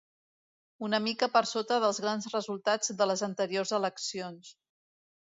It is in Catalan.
Una mica per sota dels grans resultats de les anteriors eleccions.